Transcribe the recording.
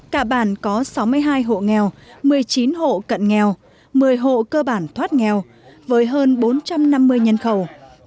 cả bản có sáu mươi hai hộ nghèo một mươi chín hộ cận nghèo một mươi hộ cơ bản thoát nghèo với hơn bốn trăm năm mươi nhân khẩu